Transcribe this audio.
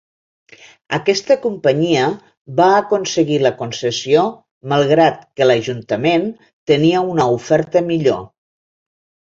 Aquesta companyia va aconseguir la concessió malgrat que l’ajuntament tenia una oferta millor.